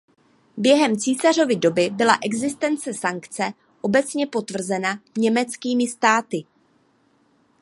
Během císařovy doby byla existence sankce obecně potvrzena německými státy.